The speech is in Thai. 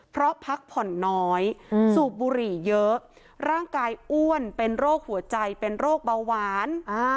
เพราะพักผ่อนน้อยสูบบุหรี่เยอะร่างกายอ้วนเป็นโรคหัวใจเป็นโรคเบาหวาน